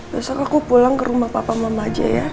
besok aku pulang ke rumah papa mama aja ya